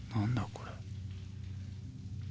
これ